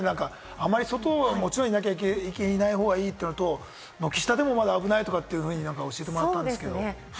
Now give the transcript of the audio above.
あまり外はもちろんいない方がいいっていうのと、軒下でもまだ危ないとか教えてもらったんですよね。